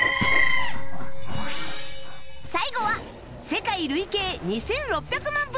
最後は世界累計２６００万